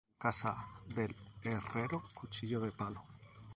En casa del herrero, cuchillo de palo